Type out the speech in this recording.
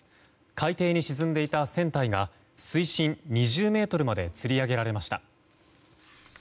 海底に沈んでいた船体が水深２０ｍまでつり上げられました。